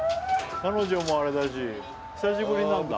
彼女もあれだし久しぶりなんだ。